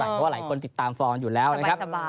เพราะว่าหลายคนติดตามฟอร์มอยู่แล้วนะครับ